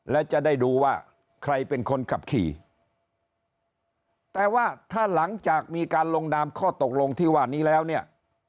และจะได้ดูว่าใครเป็นคนขับขี่แต่ว่าถ้าหลังจากมีการลงนามข้อตกลงที่ว่านี้แล้วเนี่ย